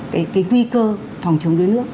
cái cái nguy cơ phòng chống đuối nước